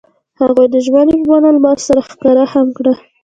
هغوی د ژمنې په بڼه لمر سره ښکاره هم کړه.